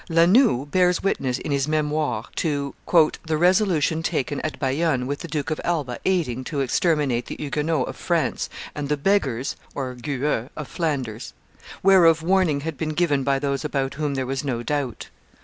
La Noue bears witness in his Memoires to "the resolution taken at Bayonne, with the Duke of Alba aiding, to exterminate the Huguenots of France and the beggars (gueux) of Flanders; whereof warning had been given by those about whom there was no doubt.